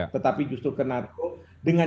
tetapi justru ke narkoba dengan